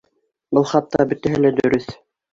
Был хатта бөтәһе лә дөрөҫ!